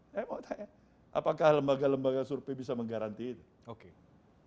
saya mau tanya apakah lembaga lembaga survei bisa menggaranti itu